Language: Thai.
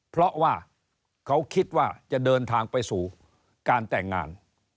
เพราะว่าเขาคิดว่าจะเดินทางไปสู่การแต่งงาน